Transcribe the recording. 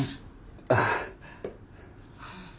ああ。